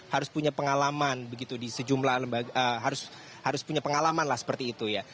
harus punya pengalaman begitu di sejumlah lembaga harus punya pengalaman lah seperti itu ya